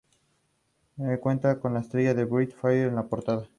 Se encuentra amenazado a causa de la depredación por parte de perros.